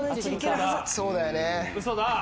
そうだよね。